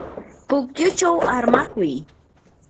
pukyuchaw armakuy.